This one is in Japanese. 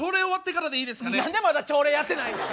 何でまだ朝礼やってないねん！